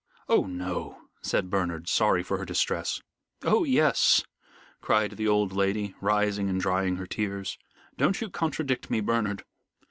"Oh, no," said Bernard, sorry for her distress. "Oh, yes," cried the old lady, rising and drying her tears. "Don't you contradict me, Bernard.